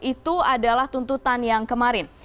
itu adalah tuntutan yang kemarin